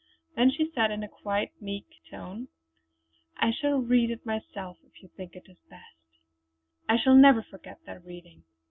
Then she said in quite a meek tone: "I shall read it myself if you think it best!" I shall never forget that reading.